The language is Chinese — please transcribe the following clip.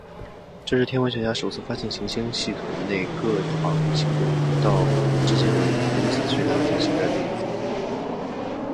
这是天文学家首次发现行星系统内各行星轨道之间有如此巨大空隙的例子。